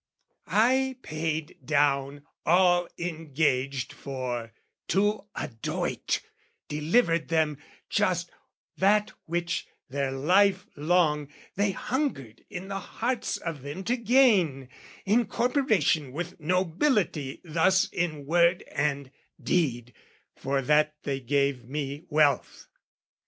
I paid down all engaged for, to a doit, Delivered them just that which, their life long, They hungered in the hearts of them to gain Incorporation with nobility thus In word and deed: for that they gave me wealth.